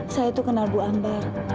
saya itu kenal bu ambar